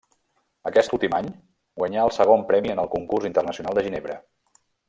Aquest últim any, guanyà el segon premi en el Concurs Internacional de Ginebra.